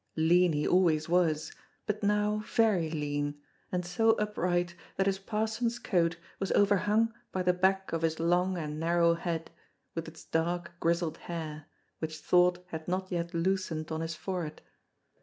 Lean he always was, but now very lean, and so upright that his parson's coat was overhung by the back of his long and narrow head, with its dark grizzled hair, which thought had not yet loosened on his forehead.